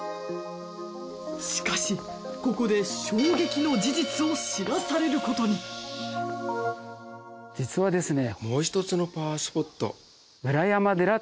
しかしここで衝撃の事実を知らされることに実はですね。